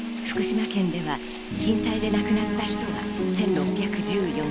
福島県では震災で亡くなった人が１６１４人。